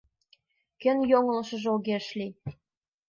Кӧн йоҥылышыжо огеш лий?